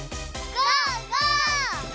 ゴー！